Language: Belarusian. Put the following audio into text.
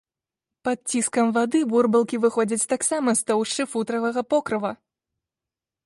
Пад ціскам вады бурбалкі выходзяць таксама з тоўшчы футравага покрыва.